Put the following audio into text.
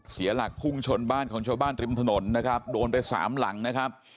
เสียหลักพุ่งชนบ้านของชาวบ้านริมถนนนะครับโดนไปสามหลังนะครับ